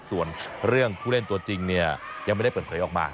ส่วนเรื่องผู้เล่นตัวจริงเนี่ยยังไม่ได้เปิดเผยออกมา